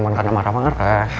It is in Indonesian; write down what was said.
bukan karena marah marah